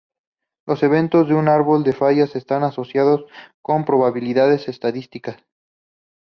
Los eventos en un árbol de fallas están asociados con probabilidades estadísticas.